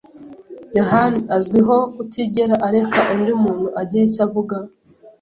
yohani azwiho kutigera areka undi muntu agira icyo avuga.